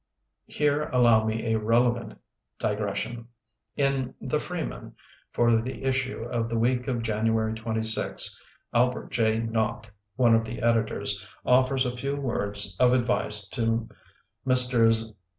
Here allow me a relevant digression. In 'The Freeman" for the issue of the week of January 26 Albert Jay Nock, one of the editors, offers a few words of advice to Messrs.